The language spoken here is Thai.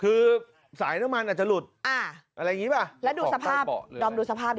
คือสายน้ำมันอาจจะหลุดสไฟสามารถดูสภาพดิ